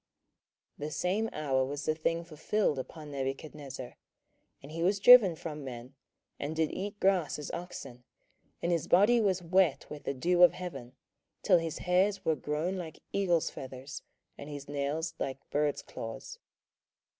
27:004:033 The same hour was the thing fulfilled upon Nebuchadnezzar: and he was driven from men, and did eat grass as oxen, and his body was wet with the dew of heaven, till his hairs were grown like eagles' feathers, and his nails like birds' claws.